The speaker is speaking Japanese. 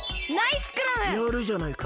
やるじゃないか！